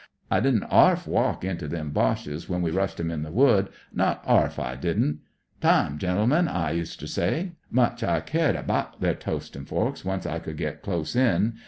I didn't arf walk into them Boches when we rushed 'em in the Wood ; not arf, I didn't. 'Time, genehnenl' I useter sy. Much I cared abaht their toastin' forks once I could git dose in.